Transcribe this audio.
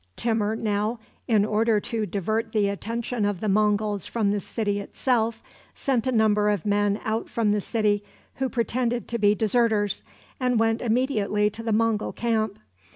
Timur now, in order to divert the attention of the Monguls from the city itself, sent a number of men out from the city, who pretended to be deserters, and went immediately to the Mongul camp.